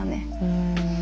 うん。